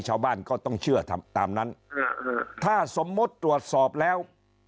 ชาวบ้านก็ต้องเชื่อตามนั้นถ้าสมมุติตรวจสอบแล้ว